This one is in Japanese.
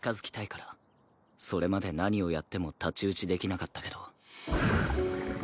それまで何をやっても太刀打ちできなかったけど。